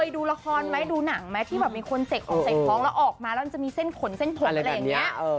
ดูละครไหมดูหนังไหมที่แบบมีคนเสกออกใส่ท้องแล้วออกมาแล้วมันจะมีเส้นขนเส้นผมอะไรอย่างนี้